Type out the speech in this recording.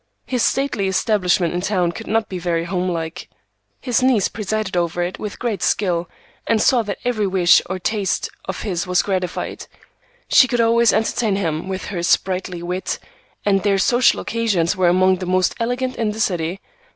His stately establishment in town could not be very home like. His niece presided over it with great skill, and saw that every wish or taste of his was gratified. She could always entertain him with her sprightly wit, and their social occasions were among the most elegant in the city.